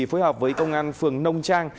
phối hợp với công an phường nông trang